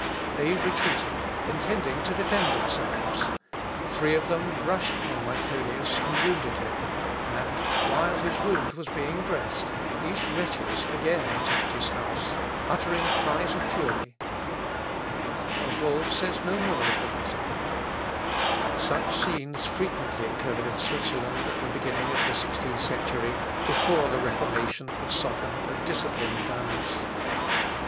They retreated, intending to defend themselves. Three of them rushed upon Myconius and wounded him, and, while his wound was being dressed, these wretches again attacked his house, uttering cries of fury. Oswald says no more of the matter. Such scenes frequently occurred in Switzerland at the beginning of the sixteenth century, before the Reformation had softened and disciplined manners. Erasmi, Laus Stultitiæ, cum annot. Myconii.